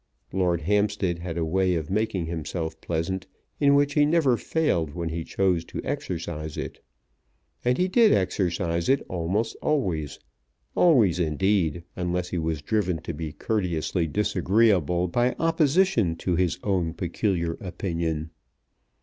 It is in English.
Lord Hampstead had a way of making himself pleasant in which he never failed when he chose to exercise it. And he did exercise it almost always, always, indeed, unless he was driven to be courteously disagreeable by opposition to his own peculiar opinion.